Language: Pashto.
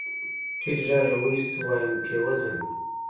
ټيټ غږ يې واېست ويم کېوځه.